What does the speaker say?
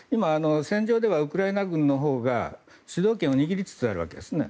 戦場ではウクライナ軍のほうが主導権を握りつつあるわけですよね。